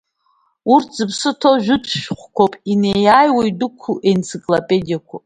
Урҭ зыԥсы ҭоу жәытә шәҟәқәоуп, инеи-ааиуа идәықәу енциклопедиақәоуп.